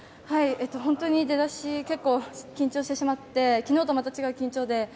本当に出だしは結構緊張してしまって昨日とはまた違う緊張で。